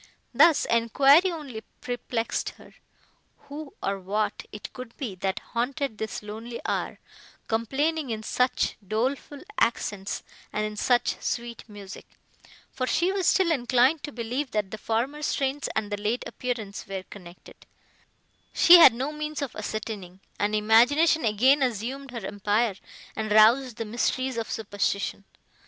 Thus, enquiry only perplexed her. Who, or what, it could be that haunted this lonely hour, complaining in such doleful accents and in such sweet music (for she was still inclined to believe, that the former strains and the late appearance were connected), she had no means of ascertaining; and imagination again assumed her empire, and roused the mysteries of superstition.